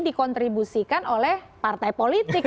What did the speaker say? dikontribusikan oleh partai politik